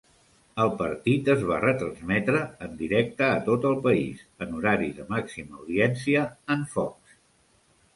El partit es va retransmetre en directe a tot el país en horari de màxima audiència en Fox.